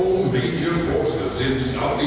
dan terhadap perusahaan dunia utama